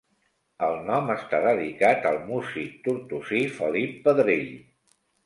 El nom està dedicat al músic tortosí Felip Pedrell.